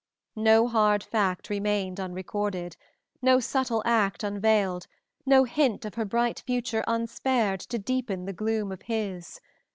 No hard fact remained unrecorded, no subtle act unveiled, no hint of her bright future unspared to deepen the gloom of his.